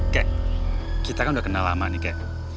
kek kita kan udah kenal lama nih kek